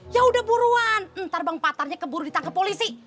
yaudah buruan ntar bang patarnya keburu ditangkap polisi